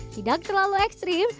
tidak terlalu ekstrim